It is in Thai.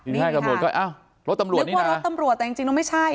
นี่ค่ะรถสำรวจนี่น่ะลึกว่ารถสำรวจแต่จริงจริงไม่ใช่